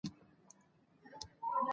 دا سیمه د چک او خوات له سیمې لوړه